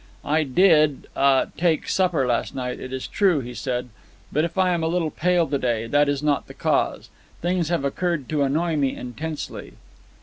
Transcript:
"I did—ah—take supper last night, it is true," he said. "But if I am a little pale to day, that is not the cause. Things have occurred to annoy me intensely."